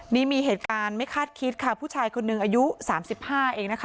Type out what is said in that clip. นี่มีเหตุการณ์ไม่คาดคิดค่ะผู้ชายคนหนึ่งอายุ๓๕เองนะคะ